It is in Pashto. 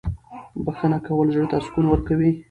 بښنه کول زړه ته سکون ورکوي.